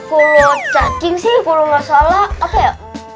kalau cacing sih kalau gak salah apa ya